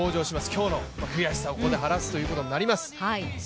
今日の悔しさをここで晴らすことになります。